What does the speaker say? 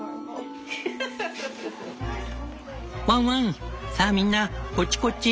ワンワンさあみんなこっちこっち。